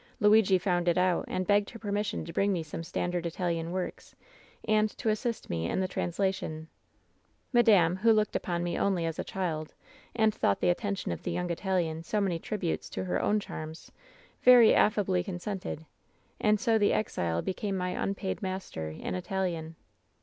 "Luigi found it out, and begged her permission to bring me some standard Italian works and to assist me in the translation. "Madame, who looked upon me only as a child, and thought the attention of the young Italian so many WHEN SHADOWS DIE 161 tributes to her own charmsy very affably consented, and 60 the exile became my unpaid master in Italian.